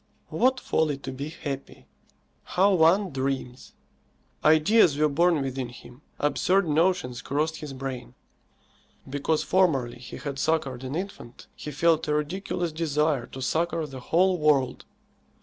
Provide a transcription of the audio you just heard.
What folly to be happy! How one dreams! Ideas were born within him. Absurd notions crossed his brain. Because formerly he had succoured an infant, he felt a ridiculous desire to succour the whole world.